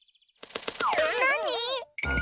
なに？